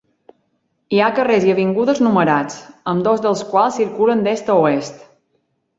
Hi ha carrers i avingudes numerats, ambdós dels quals circulen d'est a oest.